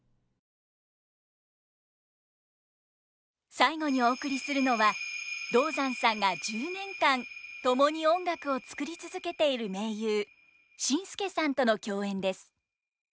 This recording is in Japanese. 最後にお送りするのは道山さんが１０年間共に音楽を作り続けている盟友ＳＩＮＳＫＥさんとの共演です。